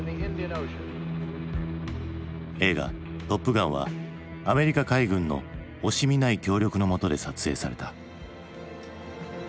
映画「トップガン」はアメリカ海軍の惜しみない協力のもとで撮影された。